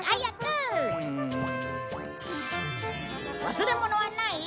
忘れ物はない？